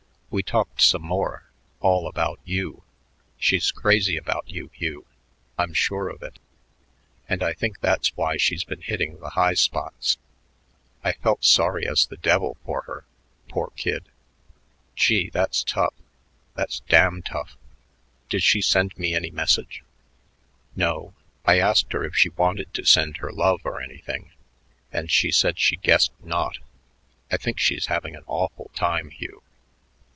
We talked some more, all about you. She's crazy about you, Hugh; I'm sure of it. And I think that's why she's been hitting the high spots. I felt sorry as the devil for her. Poor kid...." "Gee, that's tough; that's damn tough. Did she send me any message?" "No. I asked her if she wanted to send her love or anything, and she said she guessed not. I think she's having an awful time, Hugh."